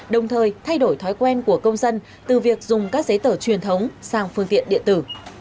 đồng thời thay đổi thói quen của công dân từ việc dùng các giấy tờ truyền thống sang phương tiện điện tử